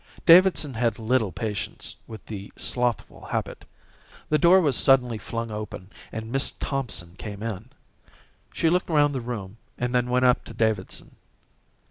Davidson had little patience with the slothful habit. The door was suddenly flung open and Miss Thompson came in. She looked round the room and then went up to Davidson.